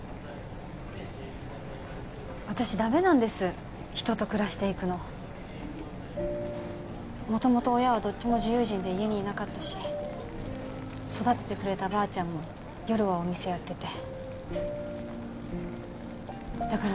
ダメなんです人と暮らしていくの元々親はどっちも自由人で家にいなかったし育ててくれたばあちゃんも夜はお店やっててだから